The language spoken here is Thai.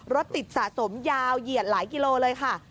รถติดสะสมยาวเหยียดหลายกิโลเลยค่ะ